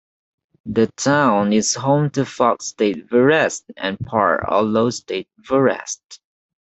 The town is home to Fox State Forest and part of Low State Forest.